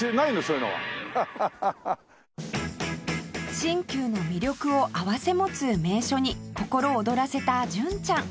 新旧の魅力を併せ持つ名所に心躍らせた純ちゃん